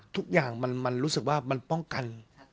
ทุกอย่างมันรู้สึกว่ามันป้องกัน